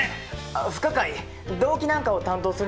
不可解動機なんかを担当するのが僕です。